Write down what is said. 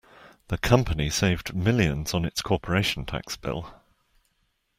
The company saved millions on its corporation tax bill.